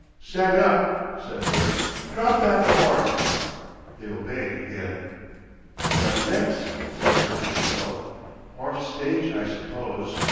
"Stand up," said Bert.... "Drop that fork!" They obeyed again. "What nex'?" said Bert to himself. "'Orf stage, I suppose.